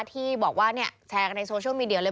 ที่บอกว่าแชร์กันในโซเชียลมีเดียเลย